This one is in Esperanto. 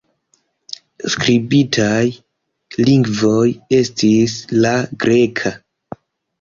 Skribitaj lingvoj estis la greka.